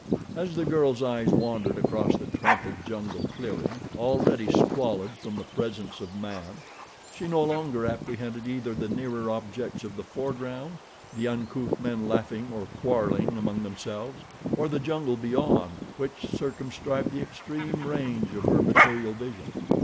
As the girl's eyes wandered across the trampled jungle clearing, already squalid from the presence of man, she no longer apprehended either the nearer objects of the foreground, the uncouth men laughing or quarreling among themselves, or the jungle beyond, which circumscribed the extreme range of her material vision.